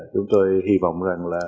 chúng tôi sẽ được triển khai trong ba năm